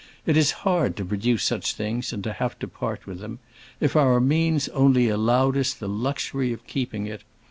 It is hard to produce such things and to have to part with them. If our means only allowed us the luxury of keeping it!